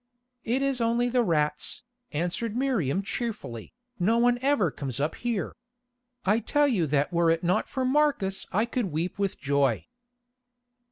"It is only the rats," answered Miriam cheerfully, "no one ever comes up here. I tell you that were it not for Marcus I could weep with joy."